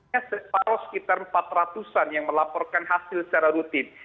ya separuh sekitar empat ratus an yang melaporkan hasil secara rutin